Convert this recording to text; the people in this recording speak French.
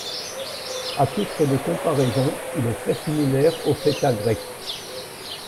À titre de comparaison, il est très similaire au feta grec.